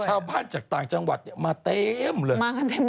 ชาวบ้านจากต่างจังหวัดมาเต็มเลย